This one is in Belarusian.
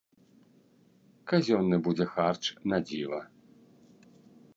Казённы будзе харч надзіва.